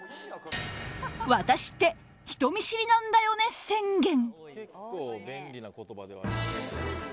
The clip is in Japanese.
私って人見知りなんだよね宣言。